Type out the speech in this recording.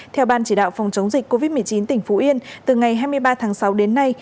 theo ban chỉ đạo phòng chống dịch covid một mươi chín tỉnh phú yên từ ngày hai mươi ba tháng sáu đến nay